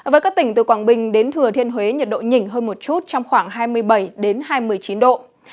với các tỉnh từ quảng bình đến thừa thiên huế nhiệt độ nhỉnh hơn một chút trong khoảng hai mươi bảy hai mươi chín độ